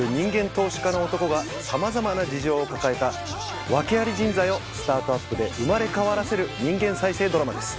投資家の男が様々な事情を抱えた訳あり人材をスタートアップで生まれ変わらせる人間再生ドラマです。